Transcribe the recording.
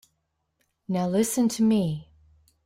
Now listen to me.